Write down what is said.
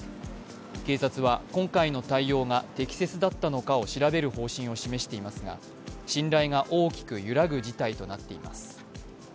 警察は今回の対応が適切だったのかを調べる方針を示していますが信頼が大きく揺らぐ事態となっています。